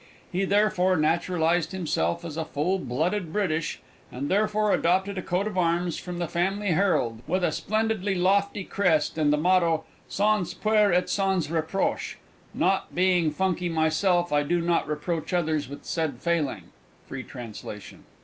He therefore naturalised himself as a full blooded British, and further adopted a coat of arms from the Family Herald, with a splendidly lofty crest, and the motto "Sans Peur et Sans Reproche." ("Not being funky myself, I do not reproach others with said failing" free translation.)